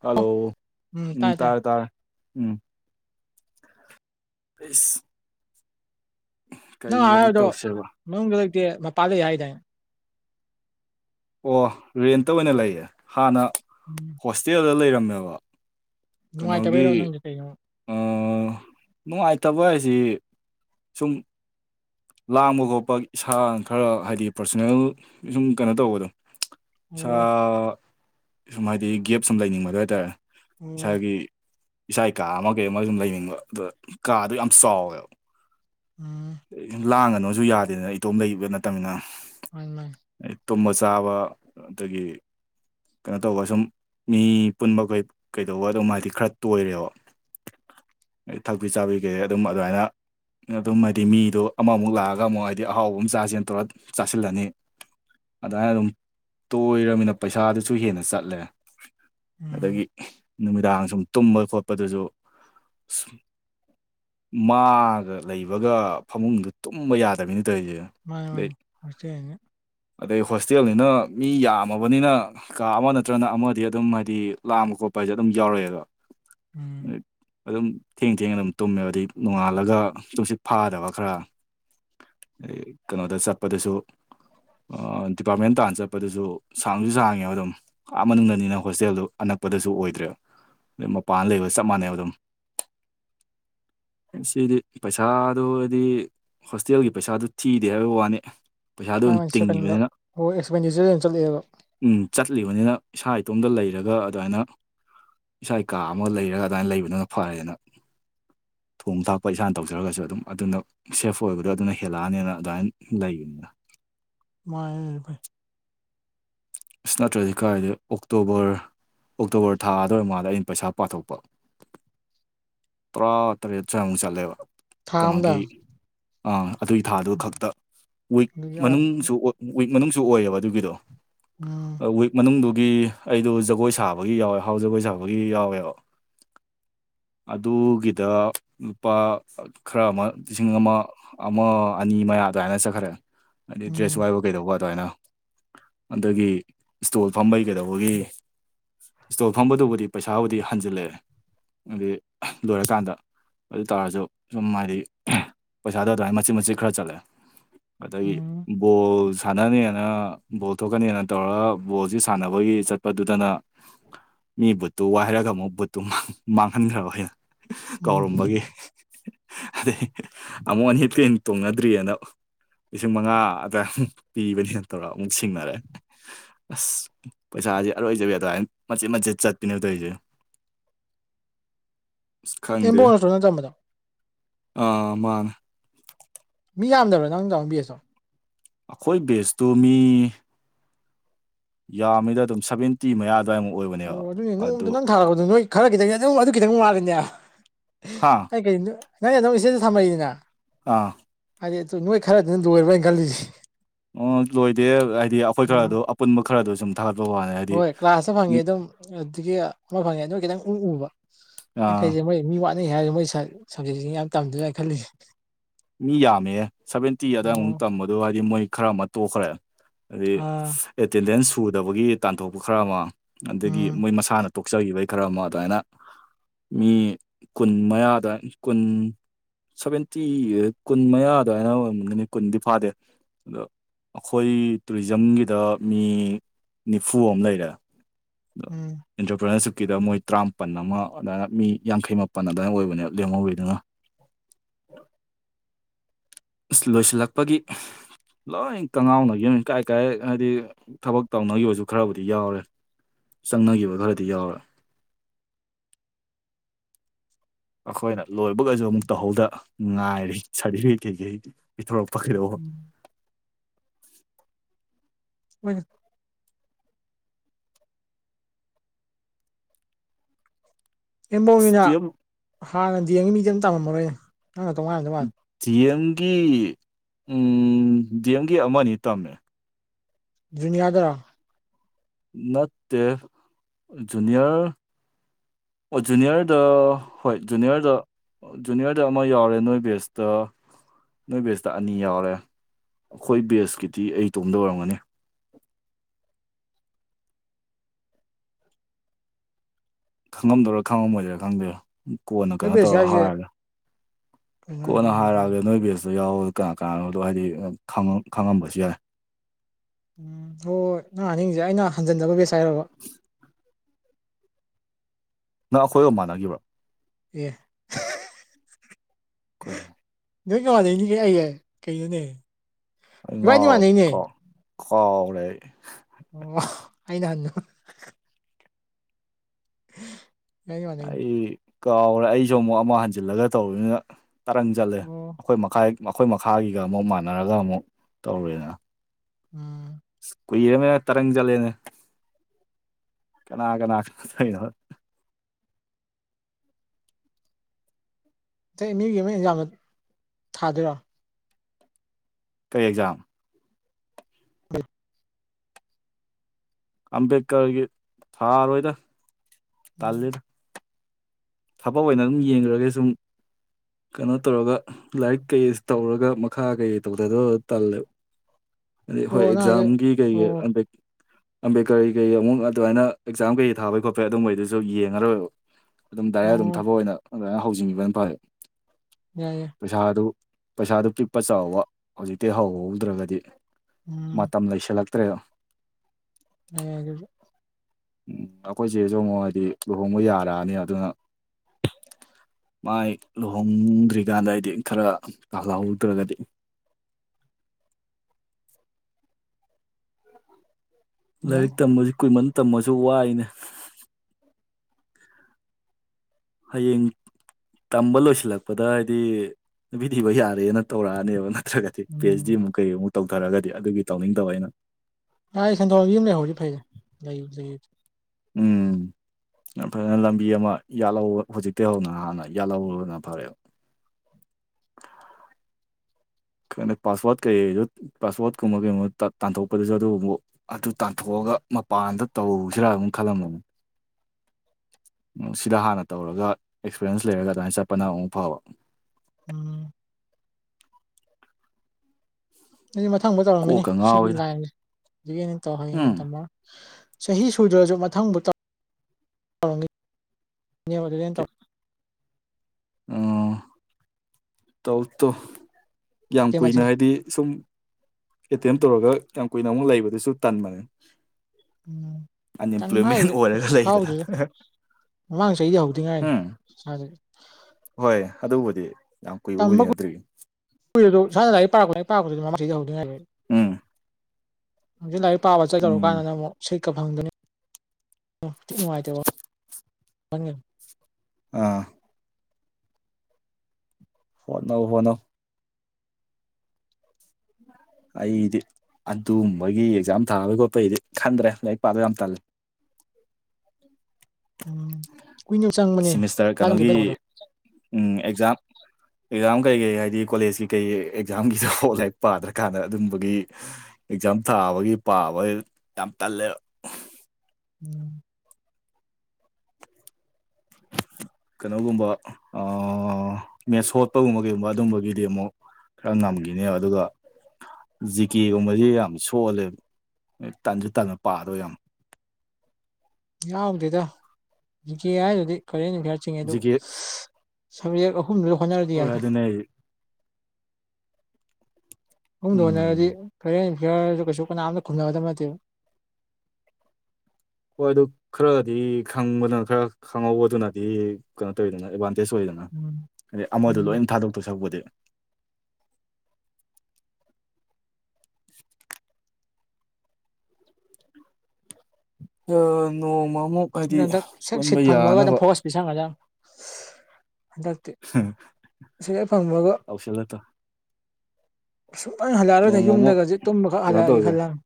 Hello ꯎꯝ ꯇꯥꯏ ꯇꯥꯏ ꯇꯥꯔꯦ ꯇꯥꯔꯦ ꯎꯝ ꯏꯁ ꯅꯪ ꯋꯥꯔꯤ ꯍꯥꯏꯗꯣ ꯇꯧꯁꯦꯕ ꯃꯅꯨꯡꯗ ꯂꯩꯇꯦ ꯃꯄꯥꯟ ꯂꯩ ꯍꯥꯏꯗꯥꯏꯅꯦ ꯑꯣ ꯔꯦꯟꯇ ꯑꯣꯏꯅ ꯂꯩꯔꯦ ꯍꯥꯟꯅ ꯎꯝ [inaudible] ꯍꯣꯁꯇꯦꯜꯗ ꯂꯩꯔꯝꯃꯦꯕ ꯀꯅꯣꯒꯤ ꯅꯨꯡꯉꯥꯏꯇꯕꯩꯔꯣ ꯅꯪꯗꯤ ꯀꯩꯅꯣ ꯑꯥ ꯅꯨꯡꯉꯥꯏꯇꯕ ꯍꯥꯏꯁꯤ ꯁꯨꯝ ꯂꯥꯡꯕ ꯈꯣꯠꯄ ꯏꯁꯥ ꯈꯔ ꯍꯥꯏꯗꯤ ꯄꯔꯁꯣꯅꯦꯜ ꯒꯤ ꯁꯨꯝ ꯀꯩꯅꯣ ꯇꯧꯕꯗꯣ ꯏꯁꯥ ꯑꯣ ꯁꯨꯝ ꯍꯥꯏꯗꯤ ꯒꯦꯞ ꯁꯨꯝ ꯂꯩꯅꯤꯡꯕꯗꯣ ꯍꯥꯏꯇꯥꯔꯦ ꯑꯣ ꯏꯁꯥꯒꯤ ꯏꯁꯥꯏ ꯀꯥ ꯑꯃ ꯀꯩ ꯑꯃ ꯁꯨꯝ ꯂꯩꯅꯤꯡꯕ ꯑꯗꯨ ꯀꯥꯗꯣ ꯌꯥꯝ ꯆꯥꯎꯋꯦꯕ ꯑ [inaudible] ꯂꯥꯡꯒꯅꯣꯁꯨ ꯌꯥꯗꯦꯗꯅ ꯏꯇꯣꯝ ꯂꯩꯕ ꯅꯠꯇꯕꯅꯤꯅ ꯃꯥꯅꯤ ꯃꯥꯅꯤ ꯑꯩ ꯇꯨꯝꯕ ꯆꯥꯕ ꯑꯗꯒꯤ ꯀꯩꯅꯣ ꯇꯧꯕ ꯁꯨꯝ ꯃꯤ ꯄꯨꯟꯕ ꯀꯩ ꯀꯩꯗꯧꯕ ꯑꯗꯨꯝ ꯍꯥꯏꯗꯤ ꯈꯔ ꯇꯣꯏꯔꯦꯕ ꯊꯥꯛꯄꯤ ꯆꯥꯕꯤ ꯀꯩ ꯑꯃꯥ ꯑꯗꯨꯝ ꯑꯗꯨꯃꯥꯏꯅ ꯑꯗꯨꯝ ꯍꯥꯏꯗꯤ ꯃꯤꯗꯣ ꯑꯃꯥ ꯃꯨꯛ ꯂꯥꯛꯑꯒ ꯑꯃꯨꯛ ꯍꯥꯏꯗꯤ ꯑꯍꯥꯎꯕ ꯑꯝ ꯆꯥꯖꯦꯅ ꯇꯧꯔ ꯆꯥꯁꯤꯜꯂꯅꯤ ꯑꯗꯥꯏꯅ ꯑꯗꯨꯝ ꯇꯣꯏꯔꯅꯤꯅ ꯄꯩꯁꯥꯗꯨꯁꯨ ꯍꯦꯟꯅ ꯆꯠꯂꯦ ꯎꯝ ꯑꯗꯒꯤ ꯅꯨꯃꯤꯗꯥꯡ ꯁꯨꯝ ꯇꯨꯝꯕ ꯈꯣꯠꯄꯗꯁꯨ ꯁꯨꯝ ꯃꯥꯒ ꯂꯩꯕꯒ ꯐꯃꯨꯡꯗꯨ ꯇꯨꯝꯕ ꯌꯥꯗꯕꯤꯅꯤ ꯇꯧꯔꯤꯖꯦ ꯃꯥꯅꯤ ꯃꯥꯅꯤ ꯍꫭꯏꯇꯦꯜ ꯅꯤꯅ ꯑꯗꯩ ꯍꯣꯁꯇꯦꯜꯅꯤꯅ ꯃꯤ ꯌꯥꯝꯃꯥꯕꯅꯤꯅ ꯀꯥ ꯑꯃꯥ ꯅꯠꯇ꯭ꯔꯅ ꯑꯃꯥꯗꯤ ꯑꯗꯨꯝ ꯍꯥꯏꯗꯤ ꯂꯥꯡꯕ ꯈꯣꯠꯄ ꯍꯥꯏꯖꯦ ꯑꯗꯨꯝ ꯌꯥꯎꯔꯛꯑꯦꯕ ꯎꯝ ꯑꯗꯨꯝ ꯊꯦꯡ ꯊꯦꯡꯅ ꯑꯗꯨꯝ ꯇꯨꯝꯃꯦꯕ ꯑꯗꯩ ꯅꯣꯡꯉꯥꯜꯂꯒ ꯇꯨꯝꯁꯤꯠ ꯐꯥꯗꯕ ꯈꯔ ꯑꯗꯩ ꯀꯩꯅꯣꯗ ꯆꯠꯄꯗꯁꯨ ꯑ ꯥꯗꯤꯄꯥꯔꯠꯃꯦꯟ ꯇꯥꯟꯅ ꯆꯠ ꯆꯠꯄꯗꯁꯨ ꯁꯥꯡꯖꯨ ꯁꯥꯡꯉꯦꯕ ꯑꯗꯨꯝ ꯑꯥ ꯃꯅꯨꯡꯗꯅꯤꯅ ꯍꯣꯁꯇꯦꯜꯗꯨ ꯑꯅꯛꯄꯗꯁꯨ ꯑꯣꯏꯗ꯭ꯔꯦ ꯑꯗꯨꯝ ꯃꯄꯥꯟ ꯂꯩꯕꯒ ꯆꯞ ꯃꯥꯟꯅꯩꯕ ꯑꯗꯨꯝ ꯁꯤꯗꯤ ꯄꯩꯁꯥ ꯑꯗꯨꯑꯣꯏꯗꯤ ꯍꯣꯁꯇꯦꯜꯒꯤ ꯄꯩꯁꯥꯗꯨ ꯊꯤꯗꯦ ꯍꯥꯏꯕ ꯋꯥꯅꯤ꯫ ꯄꯩꯁꯥꯗꯨ ꯑꯗꯨꯝ ꯃꯥꯅꯤ ꯃꯥꯅꯤ ꯁꯦꯀꯟꯗ ꯇꯤꯡꯉꯤꯕꯅꯤꯅ ꯑꯦꯛꯁꯄꯦꯟꯗꯤꯆꯥꯔ ꯌꯥꯝ ꯆꯠꯂꯦꯕ꯫ ꯎꯝ ꯆꯠꯂꯤꯕꯅꯤꯅ ꯏꯁꯥ ꯏꯇꯣꯝꯇ ꯂꯩꯔꯒ ꯑꯗꯨꯃꯥꯏꯅ꯫ ꯏꯁꯥꯒꯤ ꯀꯥ ꯑꯃꯒ ꯂꯩꯔꯒ ꯑꯗꯨꯃꯥꯏꯅ ꯂꯩꯕꯗꯨꯅ ꯐꯔꯦꯅ꯫ ꯊꯣꯡ ꯊꯥꯛꯄ ꯏꯁꯥꯅ ꯇꯧꯖꯔꯒꯁꯨ ꯑꯗꯨꯝ꯫ ꯑꯗꯨꯅ ꯁꯦꯐ ꯑꯣꯏꯕꯗꯣ ꯑꯗꯨꯅ ꯍꯦꯜꯂꯛꯑꯅꯤꯅ ꯑꯗꯨꯃꯥꯏꯅ ꯂꯩꯈꯤꯕꯅꯤꯅ꯫ ꯃꯥꯥꯏ ꯐꯩ ꯏꯁ ꯅꯇ꯭ꯔꯗꯤ ꯀꯥꯏꯗꯤ ꯑꯣꯛꯇꯣꯕꯔ꯫ ꯑꯣꯛꯇꯣꯕꯔ ꯊꯥ ꯗ ꯑꯣꯏꯔ ꯃꯥꯜꯂꯦ ꯑꯩꯅ ꯄꯩꯁꯥ ꯄꯥꯊꯣꯛꯄ꯫ ꯇꯔꯥꯇꯔꯦꯠ ꯁ꯭ꯋꯥꯏꯃꯨꯛ ꯆꯠꯂꯦꯕ ꯊꯥ ꯑꯝꯗ ꯀꯩꯅꯣꯒꯤ꯫ ꯑꯥ ꯑꯗꯨꯒꯤ ꯊꯥꯗꯨ ꯈꯛꯇ ꯋꯤꯛ ꯑꯗꯨꯗꯤ ꯑꯥ ꯃꯅꯨꯡꯁꯨ ꯋꯤꯛ ꯃꯅꯨꯡꯁꯨ ꯑꯣꯏꯌꯦꯕ ꯑꯗꯨꯒꯤꯗꯣ꯫ ꯎꯝ꯫ ꯋꯤꯛ ꯃꯅꯨꯡꯗꯨꯒꯤ ꯑꯩꯗꯨ ꯖꯒꯣꯏ ꯁꯥꯕꯒꯤ ꯌꯥꯎꯋꯦ ꯍꯥꯎ ꯖꯒꯣꯏ ꯁꯥꯕꯒꯤ ꯌꯥꯎꯋꯦꯕ꯫ ꯑꯗꯨꯒꯤꯗ ꯂꯨꯄꯥ ꯈꯔ ꯑꯃ ꯂꯤꯁꯤꯡ ꯑꯃ꯫ ꯑꯃ ꯑꯅꯤ ꯃꯌꯥ ꯑꯗꯨꯃꯥꯏꯅ ꯆꯠꯈ꯭ꯔꯦ ꯑꯗꯩ ꯗ꯭ꯔꯦꯁ ꯎꯝ ꯋꯥꯏꯕ ꯀꯩꯗꯧꯕ ꯑꯗꯨꯃꯥꯏꯅ꯫ ꯑꯗꯒꯤ ꯏꯁ꯭ꯇꯣꯜ ꯐꯝꯕꯩ ꯀꯩꯗꯧꯕꯒꯤ꯫ ꯏꯁꯇꯣꯜ ꯐꯝꯕꯗꯨꯕꯨꯗꯤ ꯄꯩꯁꯥꯕꯨꯗꯤ ꯍꯟꯖꯤꯜꯂꯛꯑꯦ ꯑꯗꯨꯗꯤ ꯂꯣꯏꯔꯀꯥꯟꯗ꯫ ꯑꯗꯨꯇꯥꯥꯔꯁꯨ ꯁꯨꯝ ꯍꯥꯏꯗꯤ ꯄꯩꯁꯥꯗꯣ ꯑꯗꯨꯃꯥꯏ ꯃꯆꯤꯠ ꯃꯆꯤ ꯈꯔ ꯆꯠꯂꯛꯑꯦ꯫ ꯑꯗꯒꯤ ꯎꯝ ꯕꯣꯜ ꯁꯥꯟꯅꯅꯦꯅ ꯕꯣꯜ꯫ ꯅꯦꯅ ꯇꯧꯔꯒ ꯕꯣꯜꯁꯤ ꯁꯥꯟꯅꯕꯒꯤ ꯆꯠꯄꯗꯨꯗꯅ꯫ [inaudible] ꯃꯤ ꯕꯨꯠꯇꯨ ꯋꯥꯏꯔꯒ ꯑꯃꯨꯛ ꯕꯨꯠꯇꯨ ꯃꯥꯡꯍꯟꯈ꯭ꯔꯕ ꯎꯝ ꯀꯧꯔꯝꯕꯒꯤ꯫ ꯑꯗꯩ ꯑꯃꯨꯛ ꯑꯅꯤ ꯍꯦꯛꯇ ꯇꯣꯡꯅꯗ꯭ꯔꯤꯑꯅ꯫ ꯂꯤꯁꯤꯡ ꯃꯉꯥ ꯑꯗꯨꯋꯥꯏꯃꯨꯛ ꯄꯤꯕꯅꯤꯅꯠꯇꯧꯔ ꯑꯃꯨꯛ ꯁꯤꯡꯅꯔꯦ꯫ ꯑꯁ ꯄꯩꯁꯥꯥꯁꯦ ꯑꯔꯣꯏꯖꯕ ꯑꯗꯨꯥꯏꯅ ꯃꯆꯦꯠ ꯃꯆꯦꯠ ꯆꯠꯇꯅꯦ ꯇꯧꯔꯤꯁꯦ꯫ [inaudible] ꯈꯪꯗꯦ ꯑꯦꯝꯕꯣ ꯅꯠꯇ꯭ꯔꯣ ꯅꯪ ꯇꯝꯕꯗꯣ ꯑꯥ ꯃꯥꯅꯦ꯫ ꯃꯤ ꯌꯥꯝꯗꯕ꯭ꯔꯥ ꯅꯪ [unintelligible] ꯕꯦꯁꯇꯣ꯫ ꯑꯩꯈꯣꯏ ꯕꯦꯁꯇꯨ ꯃꯤ ꯌꯥꯝꯃꯤꯗ ꯑꯗꯨꯝ ꯁꯕꯦꯟꯇꯤ ꯃꯌꯥꯗ ꯑꯣ ꯑꯗꯨꯅꯦ ꯅꯣꯡꯃꯇꯣ ꯅꯪ ꯊꯥꯔꯛꯄꯗꯣ ꯅꯣꯏ ꯈꯔ ꯈꯤꯇꯪ ꯑꯗꯨꯝ ꯑꯗꯨ ꯈꯤꯇꯪ ꯃꯥꯜꯂꯤꯅꯦ꯫ ꯍꯥ ꯑꯩ ꯀꯩ ꯅꯣ ꯏꯁꯇꯦꯇꯁ ꯊꯝꯃꯥꯛꯏꯗꯅ꯫ ꯑꯥ ꯍꯥꯏꯗꯤ ꯑꯗꯨ ꯅꯣꯏ ꯈꯔꯗꯨꯅ ꯂꯣꯏꯔ꯭ꯔ ꯍꯥꯏꯅ ꯈꯜꯂꯤꯁꯦ꯫ ꯑꯣ ꯂꯣꯏꯗꯦ ꯍꯥꯏꯗꯤ ꯑꯩꯈꯣꯏ ꯑꯥ ꯈꯔꯗ ꯑꯄꯨꯟꯕ ꯈꯔꯗ ꯁꯨꯝ ꯊꯥꯒꯠꯄ ꯋꯥꯅꯤ ꯍꯥꯏꯗꯤ꯫ ꯑꯗꯨꯒꯤ ꯑꯃ ꯐꯪꯉꯦ ꯅꯣꯏ ꯈꯤꯇꯪ ꯎ ꯎꯕ ꯑꯥ ꯅꯈꯩꯁꯦ ꯃꯣꯏ ꯃꯤꯠ ꯅ ꯍꯥꯏꯔꯤ ꯃꯣꯏ ꯁꯞꯖꯦꯛꯁꯤ ꯌꯥꯝ ꯇꯝꯗꯣꯏꯅ ꯈꯜꯂꯤꯁꯦ꯫ ꯃꯤ ꯌꯥꯝꯃꯦꯌꯦ ꯁꯚꯦꯟꯇꯤ ꯑꯗꯨꯗ ꯑꯣ ꯑꯃꯨꯛ ꯇꯝꯕꯗꯨꯣ ꯍꯥꯏꯗꯤ ꯃꯣꯏ ꯈꯔ ꯑꯃ ꯇꯣꯛꯈ꯭ꯔꯦ꯫ ꯑꯗꯩ ꯑꯥ ꯑꯦꯇꯦꯟꯗꯦꯟꯁ ꯁꯨꯗꯕꯒꯤ ꯇꯥꯟꯊꯣꯛꯄ ꯈꯔ ꯑꯃ ꯑꯗꯒꯤ ꯎꯝ ꯃꯣꯏ ꯃꯁꯥꯅ ꯇꯣꯛꯆꯈꯤꯕꯩ ꯈꯔ ꯑꯃ ꯑꯗꯨꯃꯥꯏꯅ ꯃꯤ ꯀꯨꯟ ꯃꯌꯥꯗ ꯀꯨꯟ ꯁꯕꯦꯟꯇꯤ꯫ ꯀꯨꯟ ꯃꯌꯥ ꯑꯗꯨꯃꯥꯏꯅ ꯑꯣꯏꯔꯝꯃꯝꯒꯅꯤ ꯀꯨꯟꯗꯤ ꯐꯥꯗꯦ ꯑꯗꯣ ꯑꯩꯈꯣꯏ ꯇꯨꯔꯤꯖꯝꯒꯤꯗ ꯃꯤ ꯅꯤꯐꯨ ꯑꯃ ꯂꯩꯔꯦ꯫ ꯎꯝ ꯑꯦꯟꯇꯔꯄ꯭ꯔꯤꯅꯔꯁꯤꯞꯀꯤꯗ ꯃꯣꯏ ꯇꯔꯥꯃꯥꯄꯟ ꯑꯃ ꯑꯗꯨꯃꯥꯏꯅ ꯃꯤ ꯌꯥꯡꯈꯩ ꯃꯥꯄꯟ ꯑꯗꯨꯃꯥꯏꯅ ꯑꯣꯏꯕꯅꯦ ꯂꯦꯝꯍꯧꯔꯤꯗꯨꯅ꯫ ꯑꯁ ꯂꯣꯏꯁꯤꯜꯂꯛꯄꯒꯤ ꯂꯣꯏ ꯀꯉꯥꯎꯅꯈꯤꯕ ꯀꯥꯏ ꯀꯥꯏ ꯍꯥꯏꯗꯤ ꯊꯕꯛ ꯇꯧꯅꯒꯤ ꯑꯣꯏꯁꯨ ꯈꯔꯕꯨꯗꯤ ꯌꯥꯎꯔꯦ꯫ ꯆꯪꯅꯈꯤꯕ ꯈꯔꯗꯤ ꯌꯥꯎꯔꯦ꯫ ꯑꯩꯈꯣꯏꯅ ꯂꯣꯏꯕꯒꯩꯁꯨ ꯑꯃꯨꯛ ꯇꯧꯍꯧꯗ ꯉꯥꯏꯔꯤ ꯁꯥꯔꯇꯤꯐꯤꯀꯦꯠ ꯀꯩꯀꯩꯩꯗꯤ ꯄꯤꯊꯣꯔꯛꯄ ꯀꯩꯗꯧꯕ꯫ ꯎꯝ ꯍꯣꯏꯅꯦ ꯑꯁ ꯀ‌ꯦꯝꯕꯣꯅꯤꯅ ꯇꯨꯌꯦꯜꯞ ꯍꯥꯟꯅ ꯗ‌ꯦꯝ ꯒꯤ ꯃꯤꯗꯤ ꯑꯃꯇ ꯇꯝꯃꯝꯃꯔꯣꯏꯅꯦ ꯅꯪ ꯅꯇꯣꯝꯉꯥꯏꯔꯝ ꯗ‌ꯣꯏ ꯃꯥꯂ‌ꯦ ꯗ‌ꯦꯝ ꯒꯤ ꯑꯝ ꯗ‌ꯦꯝꯒꯤ ꯑꯃ ꯑꯅꯤ ꯇꯝꯃꯦ ꯗꯨꯅꯤꯌꯥꯗꯔ ꯅꯠꯇꯦ ꯖꯨꯅꯤꯌꯔ ꯑꯣ ꯖꯨꯅꯤꯌꯔꯗ ꯍꯣꯏ ꯖꯨꯅꯤꯌꯔꯗ ꯖꯨꯅꯤꯌꯔꯗ ꯑꯃ ꯌꯥꯎꯔꯦ ꯅꯣꯏ ꯕꯦꯁꯇ ꯅꯣꯏ ꯕꯦꯁꯇ ꯑꯅꯤ ꯌꯥꯎꯔꯦ ꯑꯩꯈꯣꯏ ꯕꯦꯁꯀꯤꯗꯤ ꯑꯩ ꯏꯇꯣꯝꯗ ꯑꯣꯏꯔꯝꯒꯅꯤ ꯈꯪꯉꯝꯗꯣꯏꯔꯥ ꯈꯉꯝꯃꯣꯏꯗ‌ꯣꯔꯥ ꯈꯪꯗ‌ꯦ ꯀꯣꯟꯅ ꯅꯣꯏ ꯀꯩꯅꯣ ꯕꯦꯁ ꯇꯧꯔꯒ ꯍꯥꯏꯁꯦ ꯍꯥꯏꯔꯒꯦ ꯀꯩꯅꯣ ꯍꯥꯏꯁꯦ ꯀꯣꯟꯅ ꯑꯩ ꯕꯦꯁ ꯍꯥꯏꯁꯦ ꯍꯥꯏꯔꯛꯑꯒꯦ ꯅꯣꯏ ꯕꯦꯁꯇꯨ ꯌꯥꯎ ꯀꯅꯥ ꯀꯅꯥ ꯅꯣꯗꯣ ꯍꯥꯏꯗꯤ ꯈꯪ ꯈꯪꯉꯝꯕꯁꯨ ꯌꯥꯏ ꯎꯝ ꯍꯣꯏ ꯍꯣꯏ ꯅꯪ ꯍꯥꯅꯤꯡꯁꯦ ꯑꯩꯅ ꯍꯟꯖꯟꯗꯕꯒꯦꯁ ꯍꯥꯏꯔꯕ ꯅꯪ ꯑꯩꯈꯣꯏꯒ ꯃꯥꯟꯅꯒꯤꯕ꯭ꯔꯣ ꯑꯦ ꯀꯩ ꯅꯣꯏ ꯒ ꯃꯥꯟꯅꯩꯅꯤꯅ‌ꯦ ꯑꯩ ꯀꯩꯅꯣꯅꯦ ꯏꯕꯥꯅꯤ [unintelligible] ꯃꯥꯟꯅꯩꯅꯦ ꯀ ꯀꯥꯎꯔ‌ꯦ ꯑꯩ ꯑꯣ ꯑꯩꯅ ꯍꯟ ꯏꯕꯥꯅꯤ ꯃꯥꯟꯅꯩꯅꯦ ꯑꯩ ꯀꯥꯎꯔꯦ ꯑꯩꯖꯨ ꯑꯃꯨꯛ ꯑꯃ ꯍꯟꯖꯤꯜꯂꯒ ꯇꯧꯋꯤꯅꯤꯅ ꯇꯔꯪ ꯆꯠꯂꯦ ꯑꯣ ꯑꯩꯈꯣꯏ ꯃꯈꯥꯏ ꯃꯈꯣꯏ ꯃꯈꯥꯒꯤꯒ ꯑꯃꯨꯛ ꯃꯥꯟꯅꯔꯒ ꯑꯃꯨꯛ ꯇꯧꯔꯦꯅ ꯎꯝ ꯀꯨꯏꯔꯃꯦꯅ ꯇꯔꯪ ꯆꯠꯂꯦꯅꯦ ꯀꯅꯥ ꯀꯅꯥ ꯈꯗꯣꯏꯅꯣ ꯆꯍꯤ ꯑꯅꯤꯒꯤ ꯑꯃ ꯑꯦꯛꯖꯥꯝꯗ‌ꯣ ꯊꯥꯗꯣꯏꯔꯣ ꯀꯔꯤ ꯑꯦꯛꯖꯥꯝ [inaudible] ꯑꯝꯕꯦꯗꯀꯔꯒꯤ ꯊꯥꯔꯣꯏꯗ ꯎꯝ ꯇꯜꯂꯤꯗ ꯊꯕꯛ ꯑꯣꯏꯅ ꯑꯗꯨꯝ ꯌꯦꯡꯒ꯭ꯔꯒ‌ꯦ ꯁꯨꯝ ꯀꯩꯅꯣ ꯇꯧꯔꯒ ꯂꯥꯏꯔꯤꯛ ꯀꯩ ꯇꯧꯔꯒ ꯃꯈꯥ ꯀꯩ ꯀꯩ ꯇꯧꯗꯗꯧ ꯇꯜꯂꯦꯕ ꯑꯗꯩ ꯍꯣꯏ ꯑꯣ ꯅꯪꯁꯦ ꯑꯦꯛꯖꯥꯝꯒꯤ ꯀꯩꯒꯤ ꯑꯣ ꯑꯝꯕ‌ꯦꯛ ꯑꯝꯕꯦꯀꯔ ꯒꯤ ꯀꯩꯒꯤ ꯑꯃꯨꯛ ꯑꯗꯨꯃꯥꯏꯅ ꯑꯦꯛꯖꯥꯝ ꯀꯩ ꯀꯩ ꯊꯥꯕꯩ ꯈꯣꯠꯄꯩ ꯑꯗꯨꯝꯕꯩꯗꯨꯁꯨ ꯌꯦꯡꯉꯔꯣꯏꯕ ꯑꯗꯨꯝ ꯗꯥꯏꯔꯦꯛ ꯑꯗꯨꯝ ꯑꯣ ꯊꯕꯛ ꯑꯣꯏꯅ ꯑꯗꯨꯥꯃꯥꯏꯅ ꯍꯧꯖꯤꯟꯒꯤꯕꯅ ꯐꯔꯦ ꯌꯥꯏꯌꯦ ꯄꯩꯁꯥꯗꯨ ꯄꯩꯁꯥꯗꯨ ꯄꯤꯛꯄ ꯆꯥꯎꯕ ꯍꯧꯖꯤꯛꯇꯤ ꯍꯧꯍꯧꯗ꯭ꯔꯒꯗꯤ ꯎꯝ ꯃꯇꯝ ꯂꯩꯁꯜꯂꯛꯇ꯭ꯔꯦꯗ [unintelligible] ꯎꯝ ꯑꯩꯈꯣꯏꯆ‌ꯦꯁꯨ ꯑꯃꯨꯛ ꯍꯥꯏꯗꯤ ꯂꯨꯍꯣꯡꯕ ꯌꯥꯔꯛꯑꯅꯤ ꯑꯗꯨꯅ ꯃꯥꯏ ꯂꯨꯍꯣꯡꯗ꯭ꯔꯤꯀꯥꯟꯗ ꯑꯩꯗꯤ ꯈꯔ ꯇꯥꯜꯍꯧꯗ꯭ꯔꯒꯗꯤ ꯌꯥꯏ ꯂꯥꯏꯔꯤꯛ ꯇꯝꯁꯨ ꯀꯨꯏꯃꯟ ꯇꯝꯃꯁꯨ ꯋꯥꯏꯅꯦ ꯍꯌꯦꯡ ꯇꯝꯕ ꯂꯣꯏꯁꯤꯜꯂꯛꯄꯗ ꯍꯥꯏꯗꯤ ꯅꯨꯄꯤ ꯊꯤꯕ ꯌꯥꯔꯦꯅ ꯇꯧꯔꯛꯑꯅꯦꯕ ꯑꯗꯨꯒꯗꯤ ꯄꯤ ꯑꯩꯁ ꯗꯤ ꯎꯝ ꯑꯃꯨꯛ ꯀꯩꯃꯨꯛ ꯇꯧꯊꯔꯒꯗꯤ ꯑꯗꯨꯒꯤ ꯇꯧꯅꯤꯡ ꯇꯕ ꯑꯩꯅ ꯋꯥꯏ ꯁꯪꯇ‌‌ꯣꯛ ꯌꯨꯝ ꯂꯩꯍꯧꯔꯗꯤ ꯐꯩ [unintelligible] ꯎꯝ ꯅꯇꯔꯒ ꯂꯝꯕꯤ ꯑꯃ ꯌꯥꯜꯍꯧꯕ ꯍꯧꯖꯤꯛꯇꯩ ꯍꯧꯅ ꯍꯥꯟꯅ ꯌꯥꯜꯍꯧꯕꯅ ꯐꯔꯦꯕ ꯈꯪꯗ‌ꯦ ꯄꯥꯁꯋꯥꯗ ꯀꯩꯗꯨ ꯄꯥꯁꯋꯥꯠ ꯀꯨꯝꯕ ꯀꯩꯒꯨꯝꯕ ꯇꯥꯟ ꯇꯥꯟꯊꯣꯛꯄꯗꯁꯨ ꯑꯗꯨꯃꯨꯛ ꯑꯗꯨ ꯇꯥꯟꯊꯣꯛꯑꯒ ꯃꯄꯥꯟꯗ ꯇꯧꯁꯤꯔꯥꯅ ꯈꯂꯝꯕ [inaudible] ꯁꯤꯗ ꯍꯥꯟꯅ ꯇꯧꯔꯒ ꯑꯦꯛꯁꯄꯔꯦꯟꯁ ꯂꯩꯔꯒ ꯑꯗꯨꯃꯥꯏꯅ ꯆꯠꯄꯅ ꯑꯃꯨꯛ ꯐꯕ ꯎꯝ ꯑꯩ ꯃꯊꯪꯗ ꯃꯨꯛ ꯇꯧꯔꯝꯒꯤꯅꯤ ꯀꯣꯛꯀ ꯁꯤꯒꯤ ꯉꯥꯎꯋꯤꯗ ꯂꯥꯏꯟ ꯖꯤꯒꯤ ꯑꯩꯅ ꯇꯧꯍꯟꯅꯤꯡꯕ ꯎꯝ ꯊꯕꯛ ꯆꯍꯤ ꯁꯨꯗ꯭ꯔꯁꯨ ꯃꯊꯪꯕꯨ [unintelligible] ꯑꯥ ꯇꯧ ꯇꯣ ꯌꯥꯝ ꯇꯧꯔꯛꯇꯦ ꯀꯨꯏꯅ ꯃꯁꯤꯁꯦ ꯍꯥꯏꯗꯤ ꯁꯨꯝ ꯑꯦꯇꯦꯝ ꯇꯧꯔꯒ ꯌꯥꯝ ꯀꯨꯏꯅ ꯑꯃꯨꯛ ꯂꯩꯕꯗꯨꯁꯨ ꯇꯟꯕꯅꯦ ꯎꯝ ꯇꯟꯕ ꯑꯟꯑꯦꯝꯄ꯭ꯂꯣꯏꯃꯦꯟ ꯍꯥꯏꯁꯦ ꯀꯩꯁꯨ ꯑꯣꯏꯔꯒ ꯂꯩꯗꯅ ꯈꯥꯎꯗꯦꯗ ꯃꯃꯥꯡ ꯆꯍꯤꯗꯤ ꯍꯧꯗꯉꯥꯏ ꯎꯝ ꯏꯁꯗꯩ ꯍꯣꯏ ꯑꯗꯨꯕꯨꯗꯤ ꯌꯥꯝ ꯀꯨꯏꯕꯕꯨꯗꯤ ꯅꯠꯇ꯭ꯔꯤ ꯀꯏꯔꯣ ꯁꯅ ꯂꯥꯏꯛ ꯄꯥꯛꯄ ꯄꯥꯛꯄ ꯍꯥꯏ ꯎꯝ ꯍꯧꯖꯤꯛ ꯂꯥꯏꯔꯤꯛ ꯄꯥꯕ ꯆꯠ ꯇꯧꯔ ꯎꯝ ꯀꯥꯟꯗꯅ ꯑꯃꯨꯛ ꯁꯤꯠꯀ ꯐꯪꯗꯣꯏꯅꯤ ꯊꯤ ꯅꯨꯡꯉꯥꯏꯇꯦꯕ [unintelligible] ꯑꯥ ꯐꯣꯟ ꯐꯣꯟ ꯑꯩꯗꯤ ꯑꯗꯨꯒꯨꯝꯕꯒꯤ ꯑꯦꯛꯖꯥꯝ ꯊꯥꯕꯒꯤ ꯈꯣꯠꯄꯩꯗꯤ ꯈꯟꯗ꯭ꯔꯦ ꯂꯥꯏꯔꯤꯛ ꯄꯥꯗ ꯌꯥꯝ ꯇꯜꯂꯦ ꯎꯝ ꯀꯨꯏꯅ ꯆꯪꯕꯅꯦ ꯁꯤꯃꯤꯁꯇꯔ ꯆꯥꯗꯣ ꯀꯩꯅꯣꯒꯤ ꯎꯝ ꯑꯦꯛꯖꯥꯝ ꯑꯦꯛꯖꯥꯝ ꯀꯩ ꯀꯩ ꯍꯥꯏꯗꯤ ꯀꯣꯂꯦꯖꯀꯤ ꯀꯩ ꯑꯦꯛꯖꯥꯝꯒꯤꯁꯨ ꯂꯥꯏꯔꯤꯛ ꯄꯥꯗ꯭ꯔꯀꯥꯟꯗ ꯑꯗꯨꯝꯕꯒꯤ ꯑꯦꯛꯖꯥꯝ ꯊꯥꯕꯒꯤ ꯄꯥꯕ ꯌꯥꯝ ꯇꯜꯂꯦ ꯎꯝ ꯀꯩꯅꯣꯒꯨꯝꯕ ꯃꯦꯠꯁꯣꯠꯄꯒꯨꯝꯕ ꯀꯩꯒꯨꯝꯕ ꯑꯗꯨꯝꯕꯒꯤꯗꯤ ꯑꯃꯨꯛ ꯈꯔ ꯉꯝꯈꯤꯅꯦꯕ ꯑꯗꯨꯒ ꯖꯤ ꯀꯦꯒꯨꯝꯕꯕꯁꯤꯦ ꯌꯥꯝ ꯁꯣꯛꯍꯜꯂꯦꯕ ꯇꯟꯁꯨ ꯇꯟꯅ ꯄꯥꯗꯣꯏ ꯌꯥꯝ ꯌꯥꯎꯗꯦꯗ ꯖꯤ ꯀꯦ ꯍꯥꯏꯗꯨꯗꯤ ꯀꯔꯦꯟ ꯑꯦꯐꯤꯌꯥꯔ ꯆꯤꯡꯉꯦ ꯑꯗꯨ ꯖꯤꯀꯦ ꯁꯕꯖꯦꯛ ꯀꯅꯕ ꯍꯣꯠꯔꯗꯤ ꯍꯣꯏ ꯍꯥꯏꯗꯦ ꯑꯗꯨꯅꯦ ꯑꯨꯝꯗ ꯍꯣꯠꯅꯔꯗꯤ ꯎꯝ ꯀꯔꯦꯟ ꯑꯦꯐꯤꯌꯥꯔꯁꯨ ꯀꯩꯁꯨ ꯀꯅꯥꯝꯇ ꯈꯨꯝꯅꯒꯗꯕ ꯅꯠꯇꯦꯕ ꯍꯣꯏ ꯑꯗꯨ ꯈꯔꯗꯤ ꯈꯪꯕꯗꯅ ꯈꯔ ꯈꯪꯍꯧꯕꯗꯨꯅꯗꯤ ꯀꯩꯅꯣ ꯇꯧꯋꯤꯗꯅ ꯑꯦꯗꯚꯥꯟꯇꯦꯖ ꯑꯣꯏꯗꯅ ꯎꯝ ꯍꯥꯏꯗꯤ ꯑꯃꯗ ꯎꯝ ꯂꯣꯏ ꯊꯥꯗꯣꯛꯇ ꯁꯛꯄꯗꯤ [unintelligible] ꯑ ꯅꯣꯡꯃ ꯑꯃꯨꯛ ꯍꯟꯗꯛ ꯁꯛ ꯁꯤꯠ ꯐꯪꯕꯒ ꯑꯗꯨꯝ ꯐꯣꯀꯁ ꯄꯤꯁꯟꯒ꯭ꯔꯗꯥꯕꯅꯤ ꯍꯟꯗꯛꯇꯤ ꯁꯤꯗ ꯍꯦꯛ ꯐꯪꯕꯒꯥ ꯇꯧꯁꯤꯜꯂꯛꯇ ꯁꯨꯡꯍꯜ ꯍꯜꯂꯛꯑꯔꯣꯏꯅꯦ ꯅꯣꯡꯃꯃꯨꯛ ꯌꯨꯝꯗꯒꯁꯦ ꯇꯨꯝꯕꯈꯛ ꯀꯩꯅꯣ ꯍꯂꯛꯑꯒꯦ ꯇꯧꯁꯦ ꯈꯜꯂꯅꯤ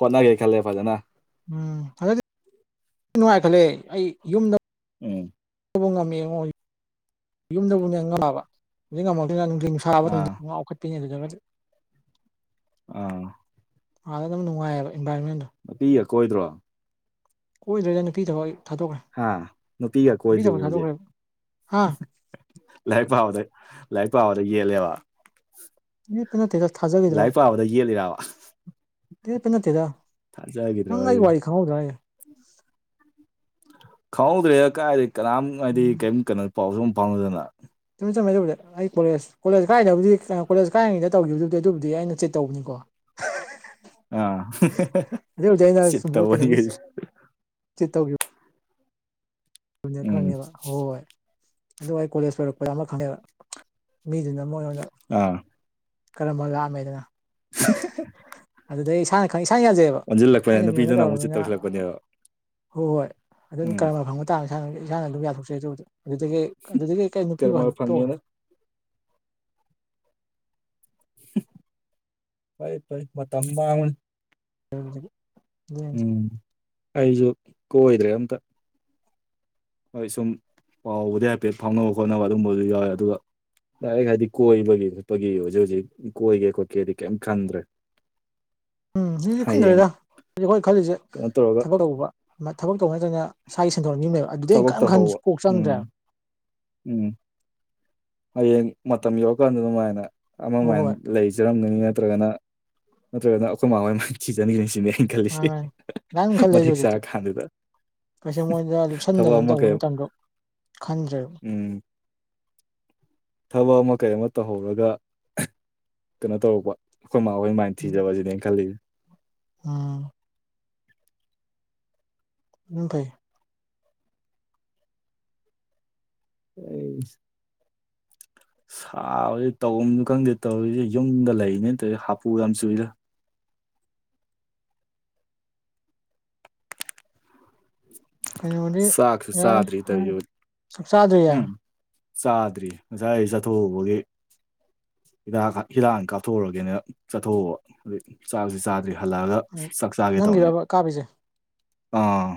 ꯍꯣꯠꯅꯒꯦ ꯈꯜꯂꯦ ꯐꯖꯅ ꯎꯝ ꯑꯗꯨꯗꯗꯤ ꯅꯨꯡꯉꯥꯏꯈꯠꯂꯦ ꯑꯩ ꯌꯨꯝꯗ ꯎꯝ ꯉꯝꯃꯦꯉꯣ ꯌꯨꯝꯗꯕꯨ ꯉꯝꯕ ꯉꯝꯃꯛꯇꯣꯏ ꯅꯨꯡꯊ ꯑꯥ ꯊꯥꯕꯈꯠꯄꯤꯅꯦ ꯑꯗꯨꯗ ꯑ ꯑꯥꯗ ꯑꯗꯨ ꯅꯨꯡꯉꯥꯏꯑꯕ ꯏꯟꯚꯥꯔꯣꯃꯦꯟꯗꯣ ꯅꯨꯄꯤꯒ ꯀꯣꯏꯗ꯭ꯔꯣ ꯀꯣꯏꯗ꯭ꯔꯦꯗꯥ ꯅꯨꯄꯤꯒꯤ ꯊꯕꯛ ꯊꯥꯗꯣꯛꯈ꯭ꯔꯦ ꯍꯥꯥ ꯅꯨꯄꯤꯒ ꯅꯨꯄꯤ ꯀꯣꯏꯗ꯭ꯔꯥꯕꯣ ꯊꯕꯛ ꯊꯥꯗꯣꯛꯈ꯭ꯔꯦꯕ ꯍꯥ ꯍꯧꯖꯤꯛ ꯂꯥꯏꯔꯤꯛ ꯄꯥꯕꯗ ꯂꯥꯏꯔꯤꯛ ꯄꯥꯕꯗ ꯌꯦꯜꯂꯦꯕ ꯌꯦꯠꯄ ꯅꯠꯇꯦꯒ ꯊꯥꯖꯈꯤꯗ꯭ꯔꯕ ꯂꯥꯏꯔꯤꯛ ꯄꯥꯕꯗ ꯌꯦꯠꯂꯤꯔꯕ ꯂꯦꯄ ꯅꯠꯇꯦꯗ ꯅꯪ ꯑꯩ ꯋꯥꯔꯤ ꯈꯪꯍꯧꯗ꯭ꯔꯣ ꯈꯪꯍꯧꯗ꯭ꯔꯦ ꯀꯥꯏꯗ ꯀꯅꯥꯝ ꯍꯥꯏꯗꯤ ꯀꯔꯤꯝ ꯀꯩꯅꯣ ꯄꯥꯎꯁꯨ ꯐꯪꯅꯗꯅ ꯆꯨꯝꯃꯦ ꯆꯨꯝꯃꯦ ꯑꯩ ꯀꯣꯂꯦꯖ ꯀꯣꯂꯦꯖ ꯀꯥꯏꯗꯕꯨꯗꯤ ꯀꯣꯂꯦꯖ ꯀꯥꯏꯔꯤꯉꯩꯗ ꯇꯧꯈꯤꯕꯗꯨꯕꯨꯗꯤ ꯑꯗꯨꯕꯨꯗꯤ ꯑꯩꯅ ꯆꯤꯠ ꯇꯧꯕꯅꯤꯀꯣ ꯑ ꯑꯗꯨꯕꯨꯗꯤ ꯑꯩꯅ ꯆꯤꯠ ꯁꯨꯝ ꯀꯩꯅꯣꯒꯤ ꯇꯩꯕꯅꯤꯒ ꯆꯤꯠ ꯇꯧꯕꯤꯌꯨ ꯅꯦ ꯎꯝ ꯈꯪꯉꯦꯕ ꯍꯣꯏ ꯍꯣꯏ ꯑꯗꯨ ꯑꯩ ꯀꯣꯂꯦꯖ ꯄꯔꯛꯄ ꯑꯃ ꯈꯪꯉꯦꯕ ꯃꯤꯗꯨꯅ ꯃꯣꯏꯉꯣꯟꯗ ꯑꯥ ꯀꯔꯝꯕ ꯂꯥꯛꯑꯝꯃꯦꯗꯅ [inaudible] ꯑꯗꯨꯗ ꯑꯩ ꯏꯁꯥ ꯈꯪ ꯏꯁꯥꯅ ꯌꯥꯜꯖꯦꯕ ꯑꯣꯟꯁꯤꯜꯂꯛꯄꯅꯦ ꯑꯩꯅ ꯃꯤꯉꯣꯟꯗ ꯅꯨꯄꯤꯗꯨꯅ ꯑꯃꯨꯛ ꯆꯤꯠ ꯇꯧꯔꯕꯅꯤꯅ ꯇꯧꯁꯤꯜꯂꯛꯄꯅꯦꯕ ꯍꯣꯏ ꯍꯣꯏ ꯑꯗꯨꯝ ꯎꯝ ꯀꯔꯝꯕ ꯐꯒꯣ ꯇꯥꯡ ꯏꯁꯥꯅ ꯏꯁꯥꯅ ꯑꯗꯨꯝ ꯌꯥꯊꯣꯛꯆꯩ ꯇꯧꯕ ꯑꯗꯨꯗꯒꯤ ꯑꯗꯨꯗꯒꯤ ꯀꯩ ꯅꯨꯄꯤ ꯀꯔꯃ ꯋꯥꯟ ꯇꯣꯛꯉꯦ ꯐꯪꯉꯦꯅ ꯐꯔ ꯐ ꯃ ꯇꯝꯕ ꯎꯝꯗꯤ ꯎꯝ ꯑꯩꯁꯨ ꯀꯣꯏꯗ꯭ꯔꯦ ꯑꯝꯇ ꯍꯣꯏ ꯁꯨꯝ ꯄꯥꯎꯕꯨꯗꯤ ꯍꯥꯏꯐꯦꯠ ꯐꯥꯎꯅꯕ ꯈꯣꯠꯅꯕ ꯑꯗꯨꯝꯕꯁꯨ ꯌꯥꯎꯋꯦ ꯑꯗꯨꯒ ꯂꯥꯏ ꯍꯥꯏꯗꯤ ꯀꯣꯏꯕꯒꯤ ꯈꯣꯠꯄꯒꯤ ꯍꯧꯖꯤꯛ ꯍꯧꯖꯤꯛ ꯀꯣꯏꯒꯦ ꯈꯣꯠꯀꯦꯗꯤ ꯀꯩꯝ ꯈꯟꯗ꯭ꯔꯦ [unintelligible] ꯎꯝ ꯍꯧꯖꯤꯛꯖꯤꯛ ꯍꯌꯦꯡ ꯈꯨꯨꯝꯗꯔꯤꯦꯗ ꯍꯧ ꯑꯩꯈꯣꯏ ꯈꯜꯂꯤꯁꯦ ꯀꯩꯅꯣ ꯇꯧꯔꯒ ꯊꯕꯛ ꯇꯧꯕ ꯊꯕꯛ ꯇꯧꯕ ꯅꯠꯇ꯭ꯔꯅ ꯏꯁꯥꯒꯤ ꯁꯦꯟꯊꯣꯗ ꯂꯝꯕꯤ ꯑꯃꯥ ꯂꯩꯕ ꯑꯗꯨꯗꯩꯩ ꯊꯕꯛ ꯍꯦꯟ ꯈꯟꯁꯨ ꯇꯧꯍꯧꯕ ꯀꯣꯛ ꯎꯝ ꯆꯪꯗ꯭ꯔꯦꯕ ꯎꯝ ꯍꯌꯦꯡ ꯃꯇꯝ ꯌꯧꯔꯀꯥꯟꯗ ꯑꯗꯨꯃꯥꯏꯅ ꯍꯣꯏ ꯑꯃꯃꯥꯏꯅ ꯍꯣꯏ ꯂꯩꯖꯔꯝꯒꯅꯤ ꯅꯠꯇ꯭ꯔꯒꯅ ꯅꯠꯇ꯭ꯔꯒꯅ ꯑꯩꯈꯣꯏꯃꯥꯡ ꯃꯣꯏ ꯃ ꯊꯤꯖꯅꯈꯤꯕꯅꯤ ꯁꯤꯅꯦ ꯃꯥꯅꯤ ꯈꯜꯂꯤꯁꯦ ꯃꯥꯅꯤ ꯃꯇꯤꯛ ꯆꯥꯔꯀꯥꯟꯗꯨꯗ ꯀꯩꯁꯦ ꯃꯣꯏꯗ ꯊꯕꯛ ꯂꯨꯞꯁꯟꯗꯗꯅ ꯑꯃ ꯇꯧꯕꯩ ꯀꯩ ꯃꯇꯝꯗꯣ ꯈꯟꯗ꯭ꯔꯦꯕ ꯎꯝ ꯊꯕꯛ ꯑꯃ ꯀꯩ ꯑꯃ ꯇꯧꯍꯧꯔꯒ ꯀꯩꯅꯣ ꯇꯧꯔꯛꯄ ꯑꯩꯈꯣꯏ ꯃꯥꯍꯣꯏ ꯃꯥꯏ ꯊꯤꯖꯕ ꯁꯤꯗ ꯈ ꯎꯝ ꯎꯝ ꯐꯥꯏ ꯑꯩ ꯁꯥꯎꯗꯤꯦ ꯇꯧꯝꯁꯨ ꯈꯪꯗꯦ ꯇꯧꯔꯤꯁꯦ ꯌꯨꯝꯗ ꯂꯩꯅꯦ ꯇꯧꯦ ꯍꯥꯄꯨ ꯌꯥꯝ ꯆꯨꯏꯔ ꯀꯩꯅꯕꯗꯤ ꯆꯥꯛꯁꯨ ꯌꯥꯏ ꯆꯥꯗ꯭ꯔꯤ ꯍꯥꯏ ꯇꯧꯔꯤꯁꯦ ꯎꯝ ꯆꯥꯗ꯭ꯔꯤ ꯉꯁꯥꯏ ꯆꯠꯊꯣꯛꯕꯒꯤ ꯍꯤꯗꯥꯛ ꯍꯤꯗꯥꯛ ꯀꯥꯞꯊꯣꯛꯎꯔꯒꯦꯅ ꯆꯠꯊꯣꯛꯕ ꯑꯗꯨꯩ ꯆꯥꯕꯁꯤ ꯆꯥꯗ꯭ꯔꯤ ꯍꯜꯂꯛꯑꯒ ꯆꯥꯛ ꯆꯥꯒꯦ ꯇꯧꯅꯤ ꯅꯪꯒꯤꯔꯕ ꯀꯥꯞꯄꯤꯁꯦ ꯑꯥ